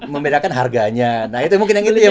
membedakan harganya nah itu mungkin yang